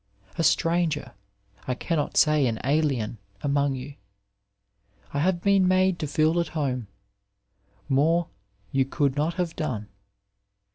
A stranger — ^I cannot say an alien — ^among you, I have been made to feel at home — more you could not have done.